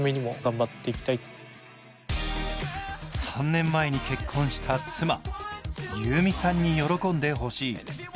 ３年前に結婚した妻・宥美さんに喜んでほしい。